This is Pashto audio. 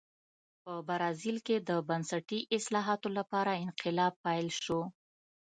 په برازیل کې د بنسټي اصلاحاتو لپاره انقلاب پیل نه شو.